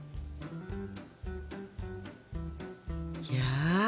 いや。